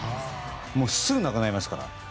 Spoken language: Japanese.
すぐになくなりますから。